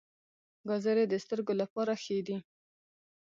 ګازرې د سترګو لپاره ښې دي